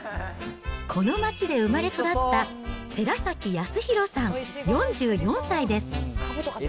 この街で生まれ育った寺崎康弘さん４４歳です。